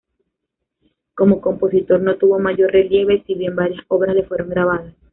Como compositor no tuvo mayor relieve, si bien varias obras le fueron grabadas.